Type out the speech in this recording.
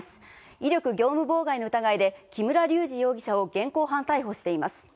威力業務妨害の疑いで木村隆二容疑者を現行犯逮捕しています。